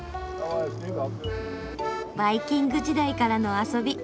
バイキング時代からの遊び